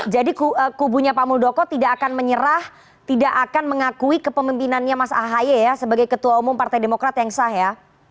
jadi kubunya pak muldoko tidak akan menyerah tidak akan mengakui kepemimpinannya mas ahy ya sebagai ketua umum partai demokrat yang sah ya